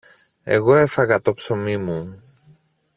Εγώ έφαγα το ψωμί μου.